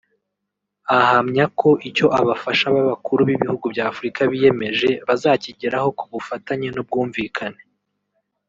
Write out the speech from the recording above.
Ahamya ko icyo abafasha b’abakuru b’ibihugu by’Afurika biyemeje bazakigeraho ku bufatanye n’ubwumvikane